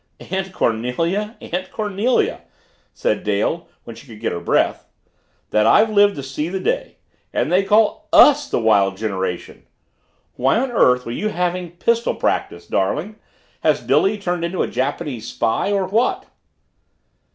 "Aunt Cornelia Aunt Cornelia!" said Dale when she could get her breath. "That I've lived to see the day and they call US the wild generation! Why on earth were you having pistol practice, darling has Billy turned into a Japanese spy or what?"